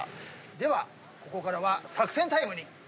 ではここからは作戦タイムに。